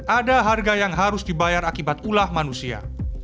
ada harga yang harus dibayar akibat ulah manusia